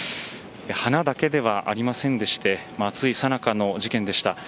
花だけではありませんでして暑いさなかの事件でした。